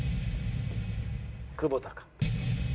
久保田か？